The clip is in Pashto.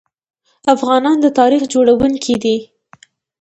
افغانان د تاریخ جوړونکي دي.